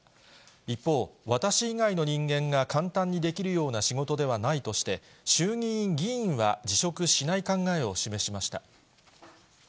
一方、私以外の人間が簡単にできるような仕事ではないとして、衆議院議員は辞職しない考えを示しました。